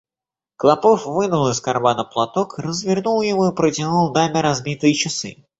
Клопов вынул из кармана платок, развернул его и протянул даме разбитые часы.